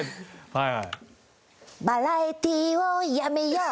はい。